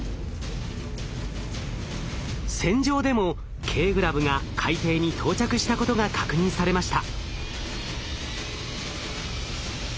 船上でもＫグラブが海底に到着したことが確認されました。